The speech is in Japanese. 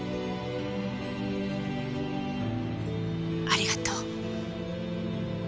ありがとう。